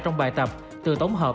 trong bài tập từ tổng hợp